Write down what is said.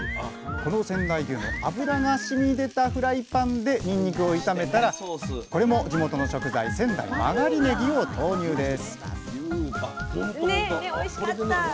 この仙台牛の脂がしみ出たフライパンでにんにくを炒めたらこれも地元の食材仙台曲がりねぎを投入です